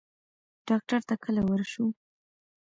ډاکټر ته کله ورشو؟